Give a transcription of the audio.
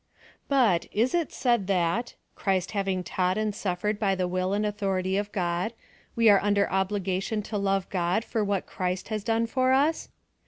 But, is it said that, Christ having taught and suf fered by the will and authority of God, we are under obligation to love God for what Christ har done for us?